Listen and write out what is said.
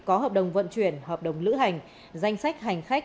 có hợp đồng vận chuyển hợp đồng lữ hành danh sách hành khách